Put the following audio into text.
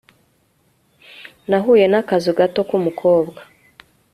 Nahuye nakazu gato kumukobwa